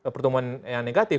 pertumbuhan yang negatif